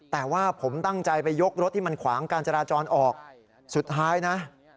แต่ว่าผมตั้งใจไปยกรถที่มันขวางการจราจรออกสุดท้ายนะ